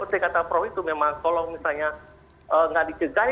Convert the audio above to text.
itu seperti kata prof itu memang kalau misalnya tidak dicegah